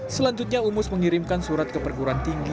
selanjutnya umus mengirimkan surat keperguran tinggi